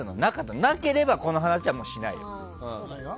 なければこの話はもうしないよ。